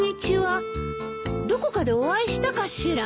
どこかでお会いしたかしら？